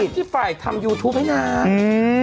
เป็นคนที่ฝ่ายทำยูทูปให้นาง